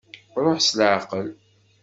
Ṛuḥ s leɛqel.